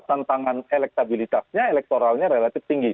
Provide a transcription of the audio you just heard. tantangan elektabilitasnya elektoralnya relatif tinggi